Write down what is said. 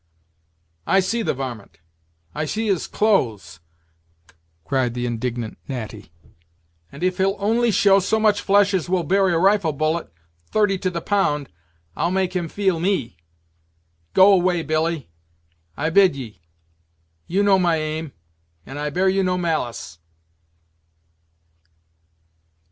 "I see the varmint! I see his clothes!" cried the indignant Natty: "and if he'll only show so much flesh as will bury a rifle bullet, thirty to the pound, I'll make him feel me. Go away, Billy, I bid ye; you know my aim, and I bear you no malice."